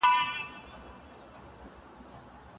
مشاورینو به د دوستۍ پیغامونه رسولي وي.